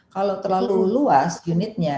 kalau terlalu luas unitnya